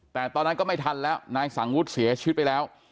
แต่ตอนนั้นก็ไม่ทันแล้วนายสังวุฒิเสียชีวิตไปแล้ว